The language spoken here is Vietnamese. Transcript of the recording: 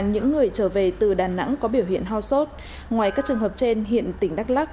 những người trở về từ đà nẵng có biểu hiện ho sốt ngoài các trường hợp trên hiện tỉnh đắk lắc